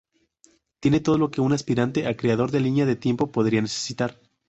Tiene todo lo que un aspirante a creador de línea de tiempo podría necesitar.